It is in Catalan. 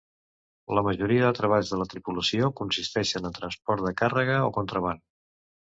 La majoria de treballs de la tripulació consisteixen en transports de càrrega o contraban.